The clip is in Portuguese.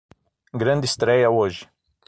Grande estréia hoje